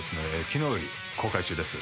昨日より公開中です。